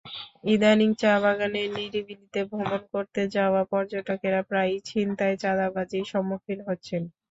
ইদানীং চা-বাগানের নিরিবিলিতে ভ্রমণ করতে যাওয়া পর্যটকেরা প্রায়ই ছিনতাই-চাঁদাবাজির সম্মুখীন হচ্ছেন।